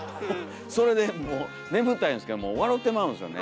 それでもう眠たいんですけどもう笑てまうんですよね。